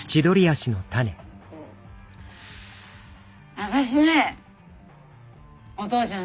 私ねお父ちゃん